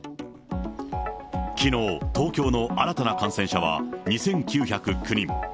きのう、東京の新たな感染者は２９０９人。